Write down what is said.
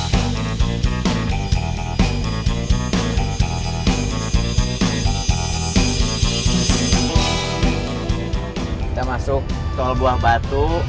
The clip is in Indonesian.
kita masuk soal buah batu